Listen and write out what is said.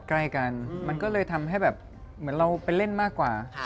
จะมีที่เจอก็มีไอ้อ้วน